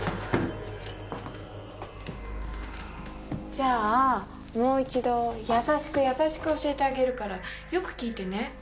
じゃあもう一度やさしくやさしく教えてあげるからよく聞いてね。